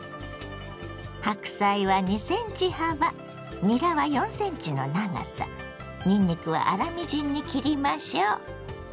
白菜は２ｃｍ幅にらは４ｃｍの長さにんにくは粗みじんに切りましょ。